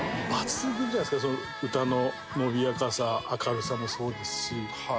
歌の伸びやかさ明るさもそうですし。